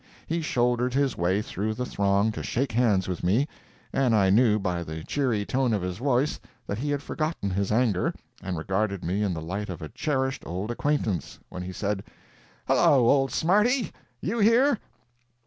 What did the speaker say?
He shouldered his way through the throng to shake hands with me, and I knew by the cheery tone of his voice that he had forgotten his anger, and regarded me in the light of a cherished old acquaintance, when he said, "Hello, old Smarty!—you here!"